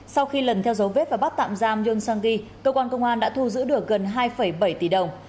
sau khi lần theo dấu vết và bắt tạm giam yoon sang gi cơ quan công an đã thu giữ được gần hai bảy tỷ đồng